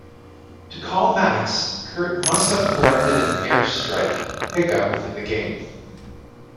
To call Max, Kurt must have collected an airstrike pickup within the game.